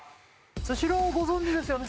スシローご存じですよね？